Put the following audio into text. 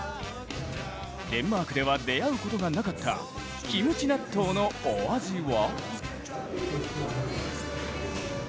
デンマークでは出会うことがなかったキムチ納豆のお味は？